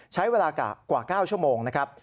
ใช้เวลากว่า๙ชั่วโมงนะครับ